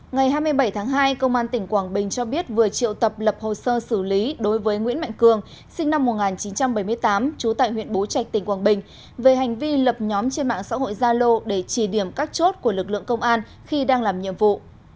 ngày hai mươi bảy tháng hai công an tỉnh quảng bình cho biết vừa triệu tập lập hồ sơ xử lý đối với nguyễn mạnh cường sinh năm một nghìn chín trăm bảy mươi tám trú tại huyện bố trạch tỉnh quảng bình về hành vi lập nhóm trên mạng xã hội gia lô để chỉ điểm các chốt của lực lượng công an khi đang làm nhiệm vụ